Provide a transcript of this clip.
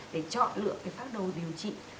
để chọn lựa cái phát đồ điều trị